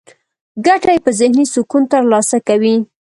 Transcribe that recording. ګټه يې په ذهني سکون ترلاسه کوي.